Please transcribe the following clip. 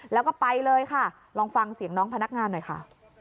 แล้วก็ไปเลยค่ะลองฟังเสียงน้องพนักงานหน่อยค่ะ